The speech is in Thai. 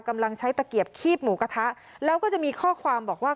กำลังใช้ตะเกียบคีบหมูกระทะแล้วก็จะมีข้อความบอกว่า